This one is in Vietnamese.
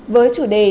với chủ đề